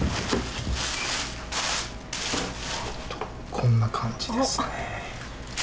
こんな感じですね。